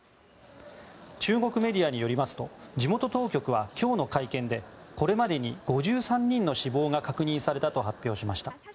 中国メディアによりますと地元当局は今日の会見でこれまでに５３人の死亡が確認されたと発表しました。